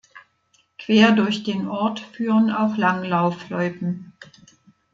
Quer durch den Ort führen auch Langlaufloipen.